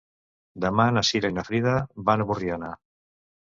Demà na Cira i na Frida van a Borriana.